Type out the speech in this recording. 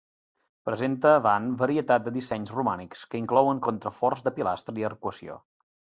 Presenta van varietat de dissenys romànics, que inclouen contraforts de pilastra i arcuació.